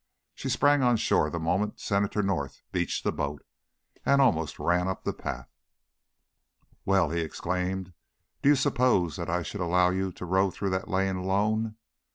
She sprang on shore the moment Senator North beached the boat, and almost ran up the path. "Well!" he exclaimed. "Did you suppose that I should allow you to row through that lane alone?